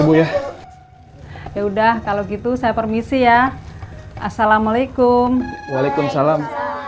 ya udah kalau gitu saya permisi ya assalamualaikum waalaikumsalam